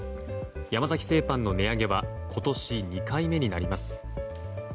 山崎製パンの値上げは今年２回目になります。